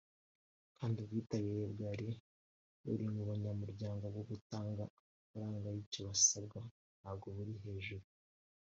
kandi ubwitabire bwa buri munyamuryango bwo gutanga amafaranga y’icyo asabwa ntabwo buri hejuru